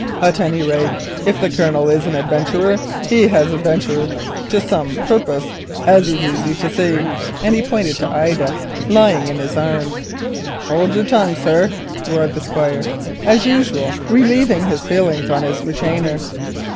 At any rate, if the Colonel is an adwenturer, he hev adwentured to some purpose, as is easy for to see," and he pointed to Ida. "Hold your tongue, sir," roared the Squire, as usual relieving his feelings on his retainer.